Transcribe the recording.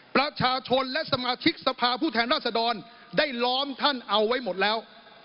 ประชาชนและสมาชิกสภาผู้แทนราษดรได้ล้อมท่านเอาไว้หมดแล้ว